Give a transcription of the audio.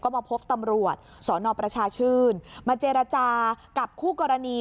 มาพบตำรวจสนประชาชื่นมาเจรจากับคู่กรณี